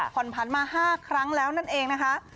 ผ่อนผันมา๕ครั้งแล้วนั่นเองนะคะ